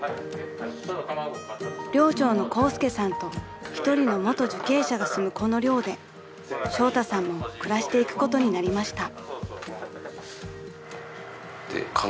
［寮長のコウスケさんと１人の元受刑者が住むこの寮でショウタさんも暮らしていくことになりました］